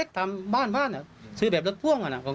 ก็เลยต้องรีบไปแจ้งให้ตรวจสอบคือตอนนี้ครอบครัวรู้สึกไม่ไกล